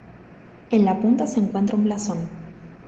En la punta se encuentra un blasón.